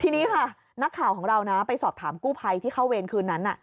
ทีนี้ค่ะนักข่าวของเรานะไปสอบถามกู้ภัยที่เข้าเวรคืนนั้น